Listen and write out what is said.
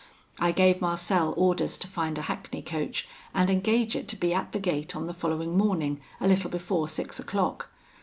I gave Marcel orders to find a hackney coach, and engage it to be at the gate on the following morning a little before six o'clock.